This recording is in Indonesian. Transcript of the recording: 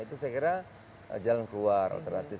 itu saya kira jalan keluar alternatif